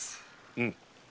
うん。